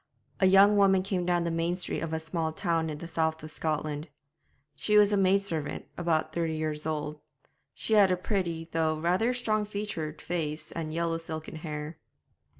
A young woman came down the main street of a small town in the south of Scotland. She was a maid servant, about thirty years old; she had a pretty, though rather strong featured, face, and yellow silken hair.